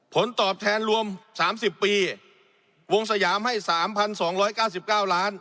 ผลตอบแทนรวมสามสิบปีวงสยามให้สามพันสองร้อยเก้าสิบเก้าร้าน